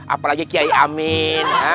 apalagi kiai amin